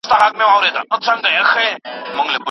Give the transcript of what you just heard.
زه د هجران په سفر تږی به شمه